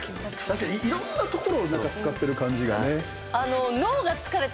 確かに、いろんなところを使ってる感じがね。